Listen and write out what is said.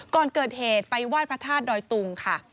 ก่อนเกิดเหตุไปไหว้พระธาตุดอยตุงค่ะ